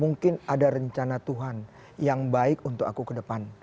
mungkin ada rencana tuhan yang baik untuk aku ke depan